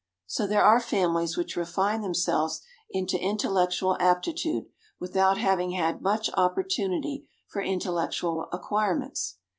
So there are families which refine themselves into intellectual aptitude without having had much opportunity for intellectual acquirements.